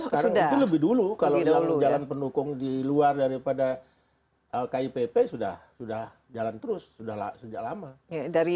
jalan sudah sekarang itu lebih dulu kalau jalan penukung di luar daripada kipp sudah jalan terus sudah sejak lama